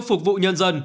phục vụ nhân dân